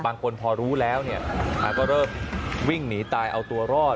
บางคนพอรู้แล้วก็เริ่มวิ่งหนีตายเอาตัวรอด